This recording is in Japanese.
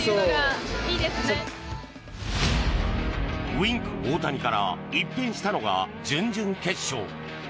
ウィンク大谷から一変したのが準々決勝。